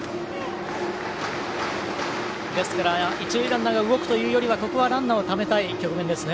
ですから、一塁ランナーが動くというよりはランナーをためたい局面ですね。